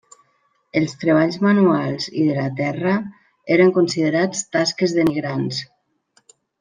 Els treballs manuals i de la terra eren considerats tasques denigrants.